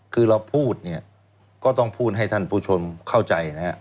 คือเราพูดเนี่ยก็ต้องพูดให้ท่านผู้ชมเข้าใจนะฮะ